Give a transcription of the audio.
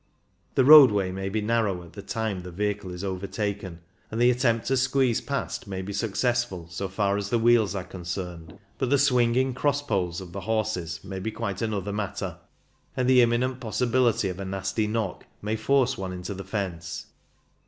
The roadway may be narrow at the time the vehicle is overtaken, and the attempt to squeeze past may be successful so far as the wheels are concerned ; but the swinging cross poles WHAT ARE THE RISKS? 207 of the horses may be quite another matter, and the imminent possibility of a nasty knock may force one into the fence.